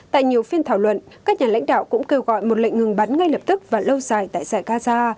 tại nhiều phiên thảo luận các nhà lãnh đạo cũng kêu gọi một lệnh ngừng bắn ngay lập tức và lâu dài tại giải gaza